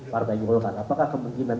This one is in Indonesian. partai yolkan apakah kemungkinan